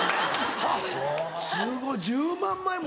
はっすごい１０万枚も。